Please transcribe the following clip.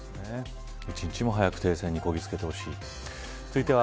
一日も早く停戦にこぎつけてほしい。